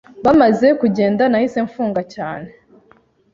Bamaze kugenda nahise mfunga cyane